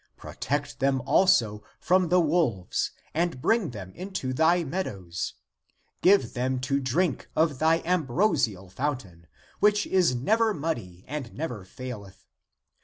Protect them also from the wolves and bring them into thy meadows. Give them to drink of thy am brosial fountain, which is never muddy and never faileth.